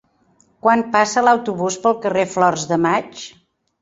Quan passa l'autobús pel carrer Flors de Maig?